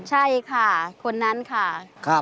ใช่ค่ะคนนั้นค่ะ